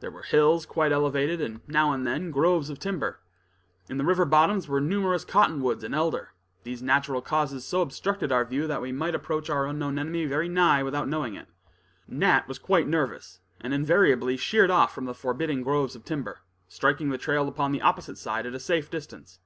There were hills quite elevated, and, now and then, groves of timber. In the river bottoms were numerous cottonwoods and elder; these natural causes so obstructed our view, that we might approach our unknown enemy very nigh without knowing it. Nat was quite nervous, and invariably sheered off from the forbidding groves of timber, striking the trail upon the opposite side at a safe distance.